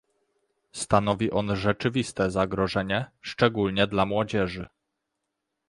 Stanowi on rzeczywiste zagrożenie, szczególnie dla młodzieży